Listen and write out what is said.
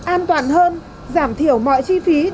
an toàn hơn giảm thiểu mọi chuyện